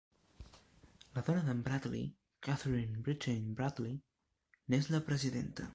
La dona d'en Bradley, Katherine Brittain Bradley, n'és la presidenta.